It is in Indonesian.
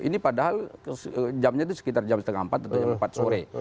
ini padahal jamnya itu sekitar jam setengah empat atau jam empat sore